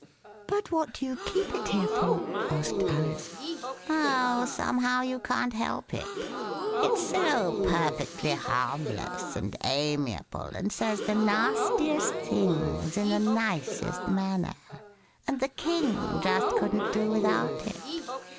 But what do you keep it here for ?" asked Alice. *' Oh, somehow you can't help it ; it s so perfectly harmless and amiable and says the nastiest things in the nicest manner, and the King just couldn't do without it.